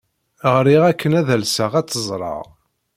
Rɣiɣ akken ad alseɣ ad tt-ẓreɣ.